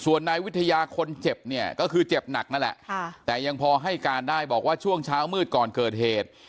ส่วนนายวิทยาคนเจ็บเนี่ยก็คือเจ็บหนักนั่นแหละแต่ยังพอให้การได้บอกว่าช่วงเช้ามืดก่อนเกิดเหตุ